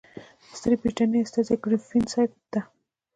د ستري برټانیې استازي ګریفین صاحب ته.